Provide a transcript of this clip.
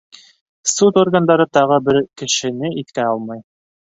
Суд органдары тағы бер кешене иҫкә алмай.